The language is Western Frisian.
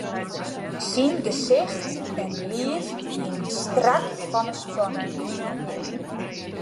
Syn gesicht en liif wiene strak fan 'e spanning.